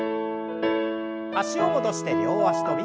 脚を戻して両脚跳び。